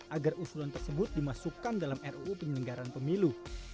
agar usulan tersebut dimasukkan dalam ruu penyelenggaran pemilu